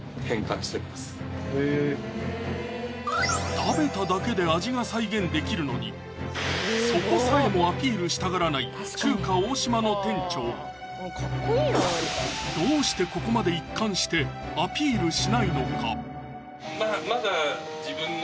食べただけで味が再現できるのにそこさえもアピールしたがらない中華大島の店長どうしてここまで一貫してアピールしないのか？